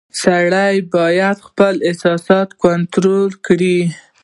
• سړی باید خپل احساسات کنټرول کړي.